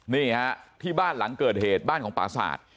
นี่ฮะที่บ้านหลังเกิดเหตุบ้านของปราศาสตร์